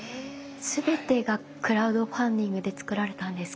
全てがクラウドファンディングでつくられたんですか？